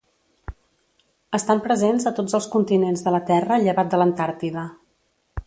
Estan presents a tots els continents de la terra llevat de l'Antàrtida.